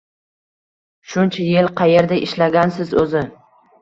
Shuncha yil qaerda ishlagansiz o`zi